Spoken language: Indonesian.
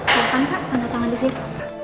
silahkan kak tanda tangan disitu